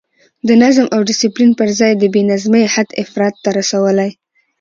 د نظم او ډسپلین پر ځای یې د بې نظمۍ حد افراط ته رسولی.